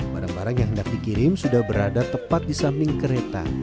barang barang yang hendak dikirim sudah berada tepat di samping kereta